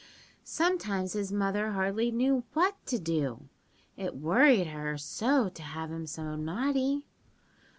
Sometimes his mother hardly knew what to do, it worried her so to have him so naughty.